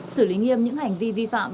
xử lý nghiêm những hành vi vi phạm